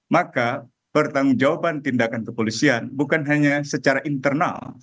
maka pertanggung jawaban tindakan kepolisian bukan hanya secara internal